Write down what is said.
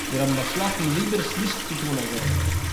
מיר האָבן באַשלאָסן ליבערשט נישט צו טאָן אַזוי